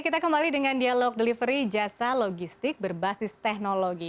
kita kembali dengan dialog delivery jasa logistik berbasis teknologi